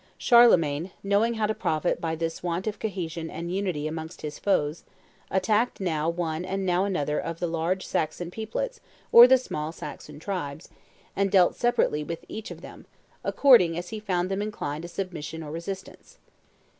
Charlemagne, knowing how to profit by this want of cohesion and unity amongst his foes, attacked now one and now another of the large Saxon peoplets or the small Saxon tribes, and dealt separately with each of them, according as he found them inclined to submission or resistance.